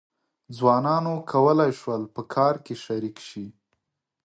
ځوانانو کولای شول په کار کې شریک شي.